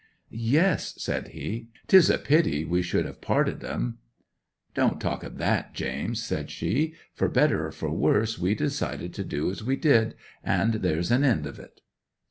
'"Yes," said he. "'Tis a pity we should have parted 'em" '"Don't talk of that, James," said she. "For better or for worse we decided to do as we did, and there's an end of it."